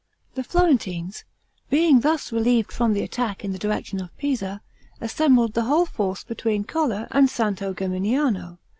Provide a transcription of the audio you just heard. The Florentines, being thus relieved from the attack in the direction of Pisa, assembled the whole force between Colle and Santo Geminiano.